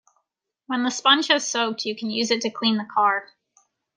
When the sponge has soaked, you can use it to clean the car.